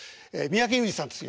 三宅裕司さんです。